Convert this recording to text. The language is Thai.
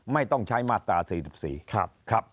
ไม่ต้องใช้มาตรา๔๔